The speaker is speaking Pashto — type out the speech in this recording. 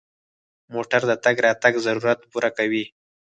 موټر د تګ راتګ ضرورت پوره کوي.